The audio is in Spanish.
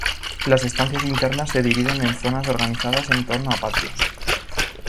Las estancias internas se dividen en zonas organizadas en torno a patios.